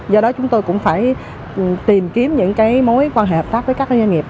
do đó chúng tôi cũng phải tìm kiếm những mối quan hệ hợp tác với các doanh nghiệp